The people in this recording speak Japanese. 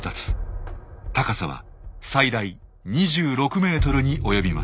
高さは最大２６ｍに及びます。